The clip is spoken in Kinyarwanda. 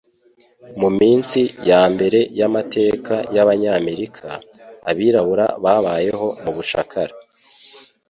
Mu minsi yambere yamateka yabanyamerika, abirabura babayeho mubucakara.